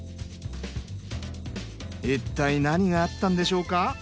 いったい何があったんでしょうか？